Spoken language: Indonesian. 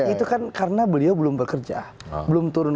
itu kan karena beliau belum bekerja belum turun